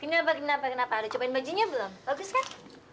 kenapa kenapa kenapa ada cobain bajunya belum bagus kan